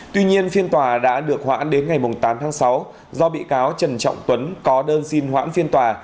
tuy nhiên phiên tòa đã được hoãn đến ngày tám tháng sáu do bị cáo trần trọng tuấn có đơn xin hoãn phiên tòa